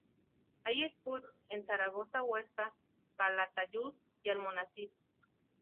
Hay scouts en Zaragoza, Huesca, Calatayud y Almonacid.